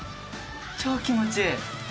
超気持ちいい。